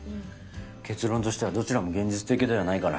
結論としてはどちらも現実的ではないかな。